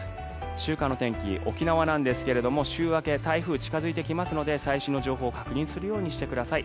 週間の天気、沖縄なんですが週明け台風が近付いてきますので最新の情報を確認するようにしてください。